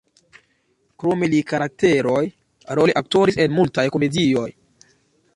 Krome li karakteroj-role aktoris en multaj komedioj.